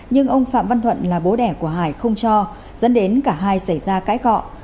nhưng ông phạm văn thuận là bố đẻ của hải không cho dẫn đến cả hai xảy ra cãi cọ